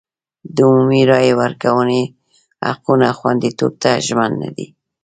د عمومي رایې ورکونې حقونو خوندیتوب ته ژمن نه دی.